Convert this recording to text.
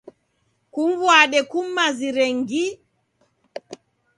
Kum'mbwade kum'mazire gi.